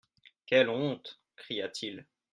Quelle honte ! cria-t-il.